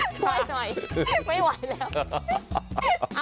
ช่วยหน่อยไม่ไหวแล้ว